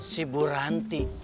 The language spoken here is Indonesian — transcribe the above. si bu ranti